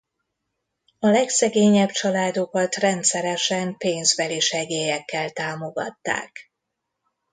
A legszegényebb családokat rendszeresen pénzbeli segélyekkel támogatták.